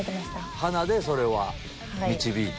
鼻でそれは導いた？